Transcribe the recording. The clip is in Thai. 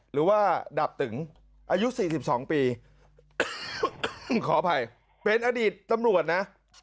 หรือว่าดาบตึงอายุ๔๒ปีขออภัยเป็นอดีตตำรวจนะ